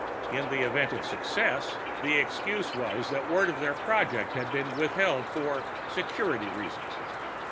In the event of success, the excuse was that word of their progress had been withheld for "security reasons."